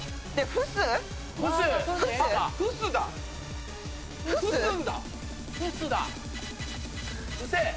フスんだ。